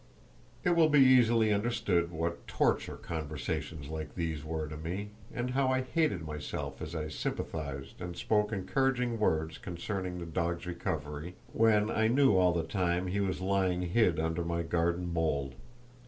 It will be easily understood what torture conversations like these were to me, and how I hated myself as I sympathised and spoke encouraging words concerning the dog's recovery, when I knew all the time he was lying hid under my garden mould.